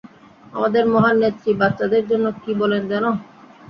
আমাদের মহান নেত্রী বাচ্চাদের জন্য কী বলেন জানো?